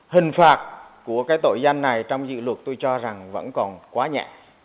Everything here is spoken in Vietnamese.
hình phạt của tội gian này trong dự luật tôi cho rằng vẫn còn quá nhẹ